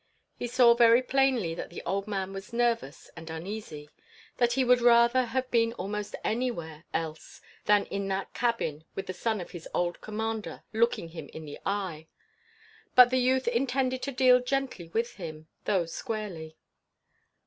He saw very plainly that the old man was nervous and uneasy that he would rather have been almost anywhere else than in that cabin with the son of his old commander looking him in the eye. But the youth intended to deal gently with him, though squarely.